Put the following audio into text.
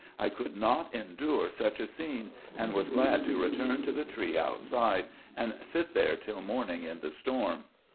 I could not endure such a scene, and was glad to return to the tree outside, and sit there tiU morning in the storm."